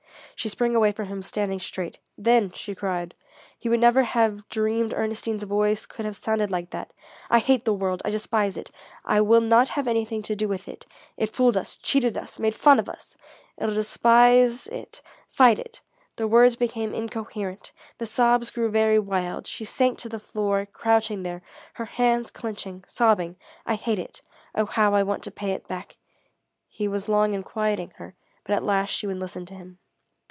She sprang away from him, standing straight. "Then," she cried he would never have dreamed Ernestine's voice could have sounded like that "I hate the world! I despise it! I will not have anything to do with it! It fooled us cheated us made fun of us! I'll despise it fight it" the words became incoherent, the sobs grew very wild, she sank to the floor, crouching there, her hands clenched, sobbing: "I hate it! Oh how I want to pay it back!" He was long in quieting her, but at last she would listen to him.